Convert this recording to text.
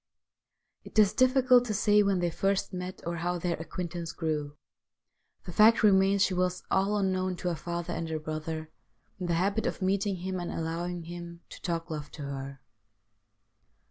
It is difficult to say when they first met or how their acquaintance grew ; the fact remains she was, all unknown to her father and her brother, in the habit of meeting him and allowing him to talk love to her.